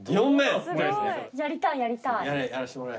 やりたいやりたい。